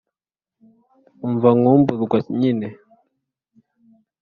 Umva Nkumburwa nyine